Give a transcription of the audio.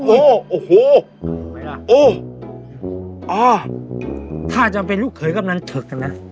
โอ้โหโอ้โหอ๋อถ้าจำเป็นลูกเขยกำนันเถิกนะ